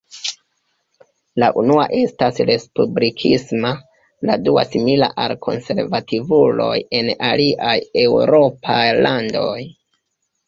La unua estas respublikisma, la dua simila al konservativuloj en aliaj eŭropaj landoj.